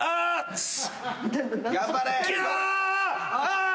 ああ！